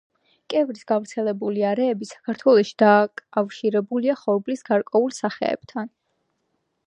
კევრის გავრცელების არეები საქართველოში დაკავშირებულია ხორბლის გარკვეულ სახეებთან.